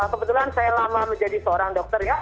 kebetulan saya lama menjadi seorang dokter ya